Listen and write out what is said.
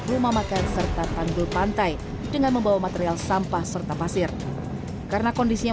pemakan serta tanggel pantai dengan membawa material sampah serta pasir karena kondisi yang